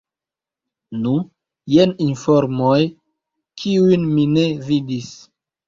Nu, jen informoj, kiujn mi ne vidis.